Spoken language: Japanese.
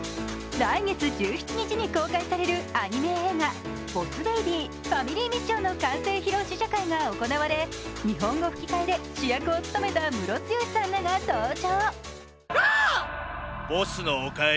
来月１７日に公開されるアニメ映画「ボス・ベイビーファミリー・ミッション」の完成披露試写会が行われ日本語吹き替えで主役を務めたムロツヨシさんらが登場。